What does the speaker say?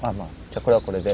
じゃあこれはこれで。